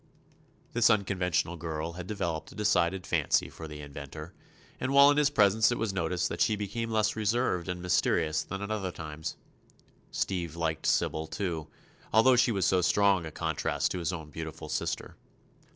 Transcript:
This unconventional girl had developed a decided fancy for the inventor, and while in his presence it was noticed that she became less reserved and mysterious than at other times. Steve liked Sybil, too, although she was so strong a contrast to his own beautiful sister.